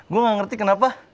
gua ga ngerti kenapa